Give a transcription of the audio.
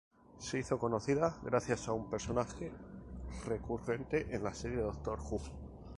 Se hizo conocida gracias a un personaje recurrente en la serie "Doctor Who.